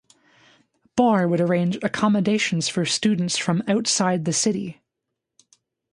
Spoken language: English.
Baur would arrange accommodation for students from outside of the city.